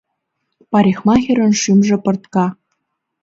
Парикмахерын шӱмжӧ пыртка.